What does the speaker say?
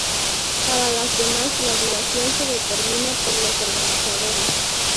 Para las demás la duración se determina por los organizadores.